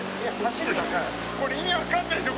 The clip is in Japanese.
「これ意味わかんないでしょ？